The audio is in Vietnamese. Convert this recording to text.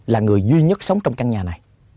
là người duy nhất sống trong căn nhà này